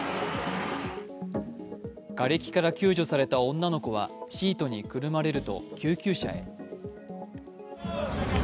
がれきから救助された女の子はシートにくるまれると救急車へ。